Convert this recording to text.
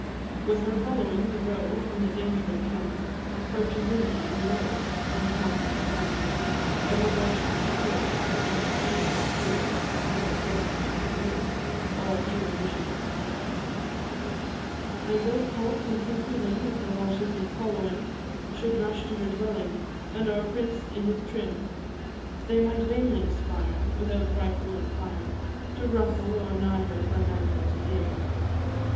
With her following, the roe From the danger of ken Couches inly, and low, In the haunts of the glen; Ever watchful to hear, Ever active to peer, Ever deft to career, All ear, vision, and limb. And though Cult and Cuchullin, With their horses and following, Should rush to her dwelling, And our prince in his trim, They might vainly aspire Without rifle and fire To ruffle or nigh her, Her mantle to dim.